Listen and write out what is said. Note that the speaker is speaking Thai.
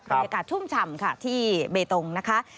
บรรยากาศชุ่มฉ่ำค่ะที่เบตงนะคะ